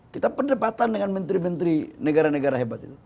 kita perdebatan dengan menteri menteri negara negara hebat itu